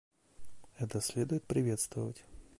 Это следует приветствовать.